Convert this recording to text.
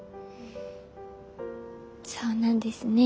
そうなんですね。